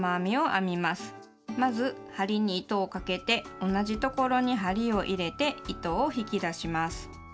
まず針に糸をかけて同じところに針を入れて糸を引き出します。